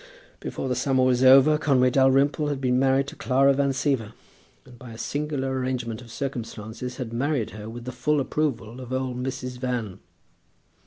Before the summer was over Conway Dalrymple had been married to Clara Van Siever, and by a singular arrangement of circumstances had married her with the full approval of old Mrs. Van.